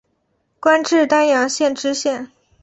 官至丹阳县知县。